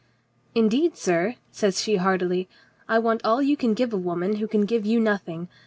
"Indeed, sir," says she heartily, "I want all you can give a woman who can give you nothing.